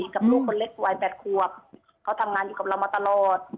กับลูกคนเล็กวัย๘ขวบเขาทำงานอยู่กับเรามาตลอด